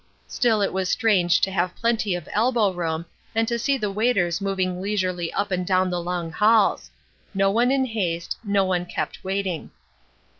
Still, it was strange to have plenty of elbow room, and to see the waiters moving leisurely up and down the long halls; no one in haste, no one kept waiting.